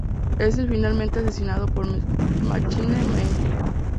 Él es finalmente asesinado por Machine Man.